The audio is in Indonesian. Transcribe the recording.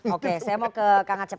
oke saya mau ke kak ngacep